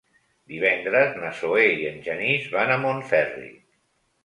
Divendres na Zoè i en Genís van a Montferri.